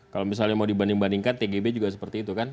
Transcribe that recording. kalau misalnya mau dibanding bandingkan tgb juga seperti itu kan